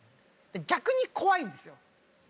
逆に怖いんですよ。